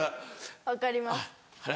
分かります。